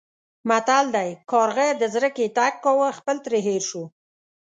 متل دی: کارغه د زرکې تګ کاوه خپل ترې هېر شو.